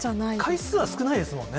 回数は少ないですもんね。